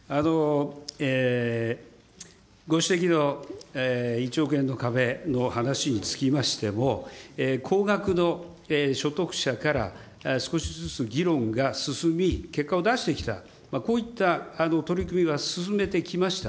ご指摘の１億円の壁の話につきましても、高額の所得者から少しずつ議論が進み、結果を出してきた、こういった取り組みは進めてきました。